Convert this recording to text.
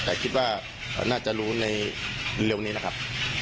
แต่คิดว่าน่าจะรู้ในเร็วนี้นะครับ